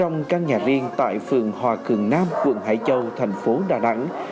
nhà riêng tại phường hòa cường nam quận hải châu thành phố đà nẵng